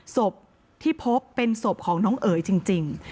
ศพที่พบเป็นศพของน้องเอ๋ยจริง